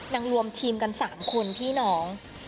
นางรวมทีมกันสามคุณพี่น้อง